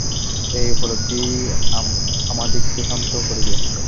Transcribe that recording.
এই উপলব্ধিই আমাদিগকে শান্ত করিবে।